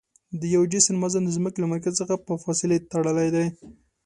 د یوه جسم وزن د ځمکې له مرکز څخه په فاصلې تړلی دی.